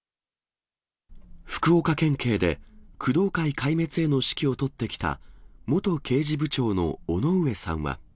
福岡県警で工藤会壊滅への指揮を執ってきた元刑事部長の尾上さん